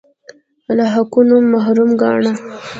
له حقونو محروم ګاڼه